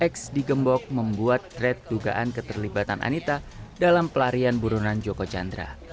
xd gembok membuat kred dugaan keterlibatan anita dalam pelarian burunan joko chandra